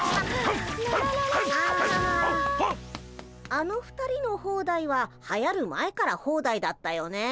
あの２人のホーダイははやる前からホーダイだったよね。